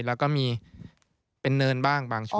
แล้วก็มีเป็นเนินบ้างบางช่วง